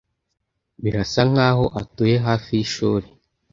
Birasa nkaho atuye hafi yishuri.